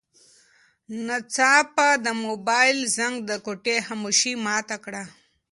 ناڅاپه د موبایل زنګ د کوټې خاموشي ماته کړه.